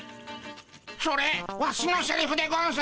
それワシのセリフでゴンス。